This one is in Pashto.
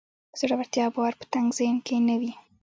زړورتيا او باور په تنګ ذهن کې نه وي.